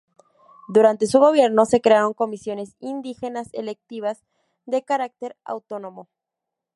Durante su gobierno se crearon comisiones indígenas electivas, de carácter autónomo.